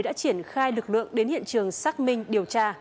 đưa hai lực lượng đến hiện trường xác minh điều tra